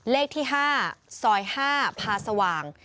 เลขที่๕ซอย๕พาสว่าง